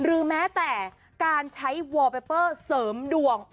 หรือแม้แต่การใช้วอร์เบเปอร์เสริมดวง